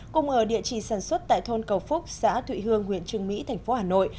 cùng ở địa chỉ sản xuất tại thôn cầu phúc xã thụy hương huyện trường mỹ tp hà nội